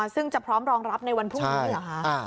ซึ่งจะพร้อมรองรับในวันพรุ่งนี้เหรอคะ